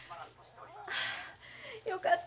ああよかった。